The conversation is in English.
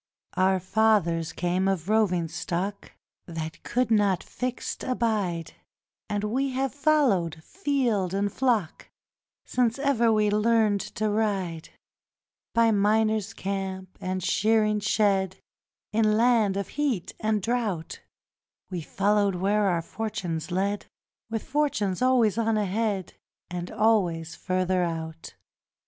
Our fathers came of roving stock That could not fixed abide: And we have followed field and flock Since e'er we learnt to ride; By miner's camp and shearing shed, In land of heat and drought, We followed where our fortunes led, With fortune always on ahead And always further out.